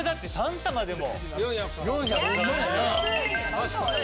・確かにな。